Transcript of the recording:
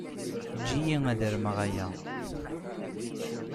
Eǧǧ-iyi ad armeɣ aya.